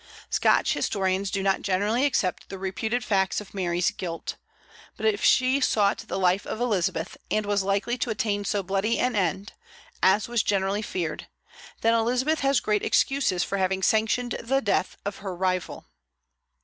Scotch historians do not generally accept the reputed facts of Mary's guilt. But if she sought the life of Elizabeth, and was likely to attain so bloody an end, as was generally feared, then Elizabeth has great excuses for having sanctioned the death of her rival.